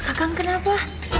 kakak kau kenapa